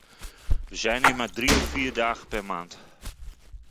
We zijn hier maar drie of vier dagen per maand.